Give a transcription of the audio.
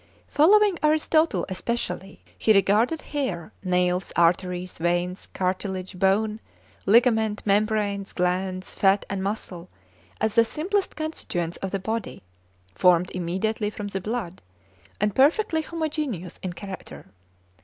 Following Aristotle especially, he regarded hair, nails, arteries, veins, cartilage, bone, ligament, membranes, glands, fat, and muscle as the simplest constituents of the body, formed immediately from the blood, and perfectly homogeneous in character.